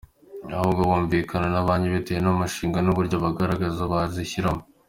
Ahubwo bo bumvikana na banki bitewe n’umushinga n’uburyo bagaragaza bazishyuramo.